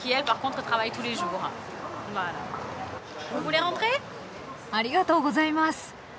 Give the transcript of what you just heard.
ありがとうございます。